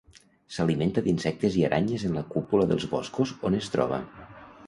S'alimenta d'insectes i aranyes en la cúpula dels boscos on es troba.